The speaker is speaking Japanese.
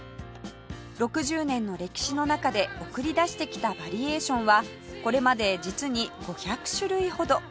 ６０年の歴史の中で送り出してきたバリエーションはこれまで実に５００種類ほど